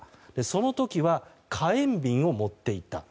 その時は火炎瓶を持って行った。